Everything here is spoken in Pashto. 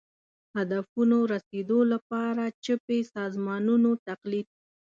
هدفونو رسېدو لپاره چپي سازمانونو تقلید